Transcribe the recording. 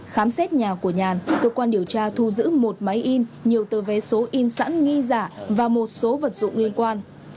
khám xét nhà của nhàn cơ quan điều tra thu giữ một máy in nhiều tờ vé số in sẵn nghi giả và một số vật dụng liên quan